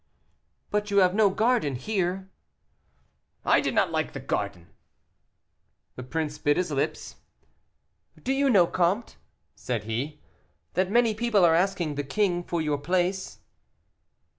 "But you have no garden here." "I did not like the garden." The prince bit his lips. "Do you know, comte," said he, "that many people are asking the king for your place?"